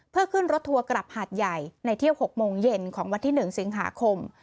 เพื่อขึ้นรถทัวร์กลับหาดใหญ่ในเที่ยว๖โมงเย็นของวันที่๑สิงหาคม